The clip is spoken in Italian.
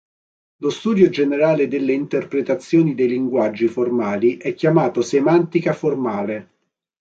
Lo studio generale delle interpretazioni dei linguaggi formali è chiamato semantica formale.